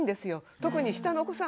特に下のお子さん